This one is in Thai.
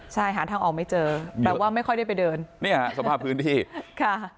ใช่หาทางออกไม่เจอแปลว่าไม่ค่อยได้ไปเดินเนี่ยฮะสภาพพื้นที่ค่ะ